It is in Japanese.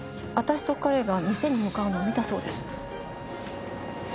私と彼が店に向かうのを見たそうです。